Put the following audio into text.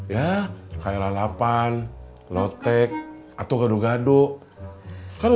ya kayak lalapan lotek atau gadu gadu